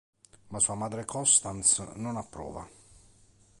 Ma sua madre Constance non approva.